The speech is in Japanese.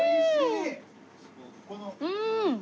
うん！